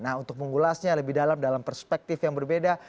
nah untuk mengulasnya lebih dalam dalam perspektif yang berbeda